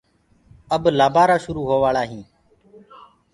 اب لآبآرآ شروُ هوآݪآ هينٚ۔